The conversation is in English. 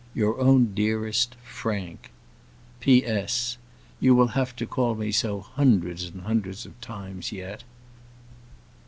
Your own dearest, FRANK. P.S. You will have to call me so hundreds and hundreds of times yet.